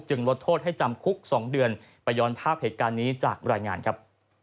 ลดโทษให้จำคุก๒เดือนไปย้อนภาพเหตุการณ์นี้จากรายงานครับ